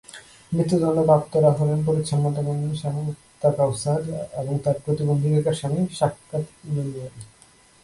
মৃত্যুদণ্ডপ্রাপ্তরা হলেন পরিচ্ছন্নতাকর্মী শাগুফতা কাওসার এবং তাঁর প্রতিবন্ধী বেকার স্বামী শাফকাত ইমানুয়েল।